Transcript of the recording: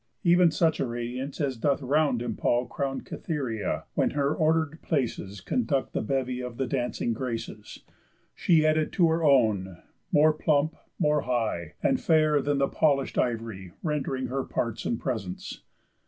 Ev'n such a radiance as doth round empall Crown'd Cytherea, when her order'd places Conduct the bevy of the dancing Graces, She added to her own; more plump, more high, And fairer than the polish'd ivory, Rend'ring her parts and presence.